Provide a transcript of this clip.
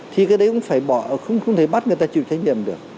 thì cái đấy cũng phải bỏ không thể bắt người ta chịu trách nhiệm được